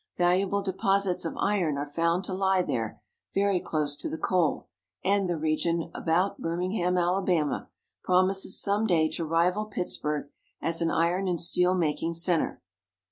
Valuable deposits of iron are found to lie there very close to the coal, and the region about Birmingham, Alabama, promises some day to rival Pittsburg as an iron and steel making center.